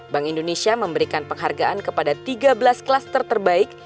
bank indonesia memberikan penghargaan kepada tiga belas klaster terbaik